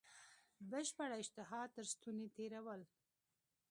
بشپړه اشتها تر ستوني تېرول.